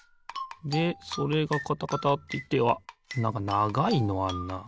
でそれがカタカタっていってあっなんかながいのあんな。